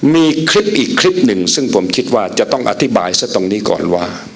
มีคลิปอีกคลิปหนึ่งซึ่งผมคิดว่าจะต้องอธิบายซะตรงนี้ก่อนว่า